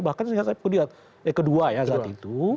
bahkan saya lihat eh kedua ya saat itu